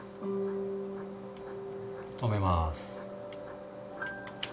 止めます。